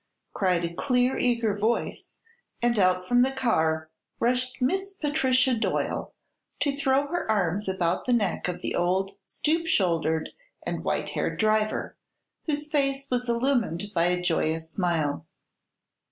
cried a clear, eager voice, and out from the car rushed Miss Patricia Doyle, to throw her arms about the neck of the old, stoop shouldered and white haired driver, whose face was illumined by a joyous smile.